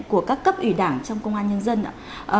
của các cấp ủy đảng trong công an nhân dân ạ